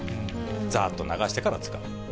ざーっと流してから使う。